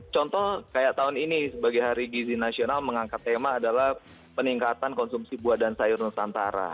contoh kayak tahun ini sebagai hari gizi nasional mengangkat tema adalah peningkatan konsumsi buah dan sayur nusantara